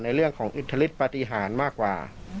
ในเรื่องของอิทธิฤทธิปฏิหารมากกว่า